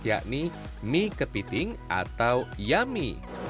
yakni mie kepiting atau yami